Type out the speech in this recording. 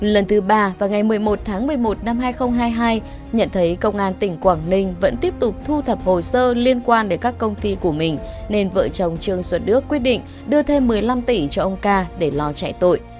lần thứ ba vào ngày một mươi một tháng một mươi một năm hai nghìn hai mươi hai nhận thấy công an tỉnh quảng ninh vẫn tiếp tục thu thập hồ sơ liên quan đến các công ty của mình nên vợ chồng trương xuân đức quyết định đưa thêm một mươi năm tỷ cho ông ca để lò chạy tội